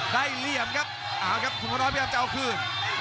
ได้เหลี่ยมครับอ้าวครับคุณพ่อน้อยพยายามจะเอาคืน